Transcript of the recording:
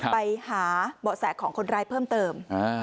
ไปหาเบาะแสของคนร้ายเพิ่มเติม